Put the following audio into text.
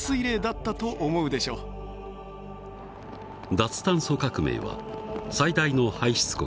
脱炭素革命は最大の排出国